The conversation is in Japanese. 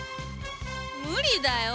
無理だよ！